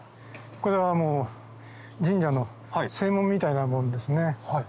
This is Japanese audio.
これはもう神社の正門みたいなもんですね。